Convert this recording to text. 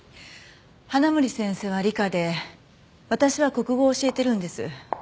花森先生は理科で私は国語を教えてるんです。